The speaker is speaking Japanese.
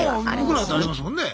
僕らだってありますもんね。